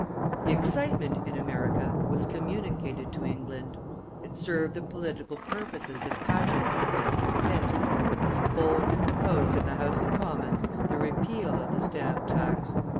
The excitement in America was communicated to England; it served the political purposes and passions of Mr. Pitt; he boldly proposed in the House of Commons the repeal of the stamp tax.